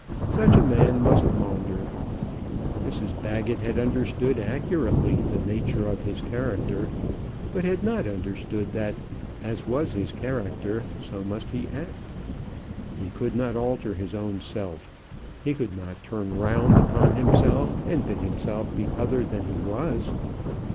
Such a man must maunder. Mrs Baggett had understood accurately the nature of his character; but had not understood that, as was his character, so must he act. He could not alter his own self. He could not turn round upon himself, and bid himself be other than he was.